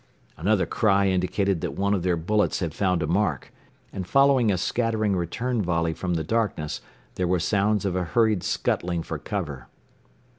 Another cry indicated that one of their bullets had found a mark, and following a scattering return volley from the darkness there were sounds of a hurried scuttling for cover.